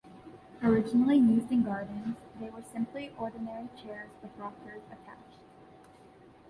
Originally used in gardens, they were simply ordinary chairs with rockers attached.